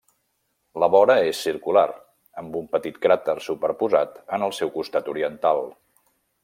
La vora és circular, amb un petit cràter superposat en el seu costat oriental.